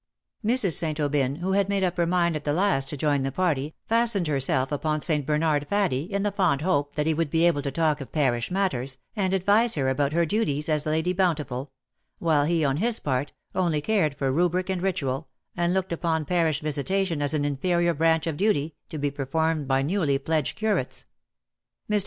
Mrs. St. Aubyn, who had made up her mind at the last to join the party, fastened herself upon St. Bernard Faddie, in the fond hope that he would be able to talk of parish matters, and advise her about her duties as Lady Bountiful ; while he, on his part, only cared for rubric and ritual, and looked upon parish visitation as an inferior branch of duty, to be performed by newly fledged curates. Mr.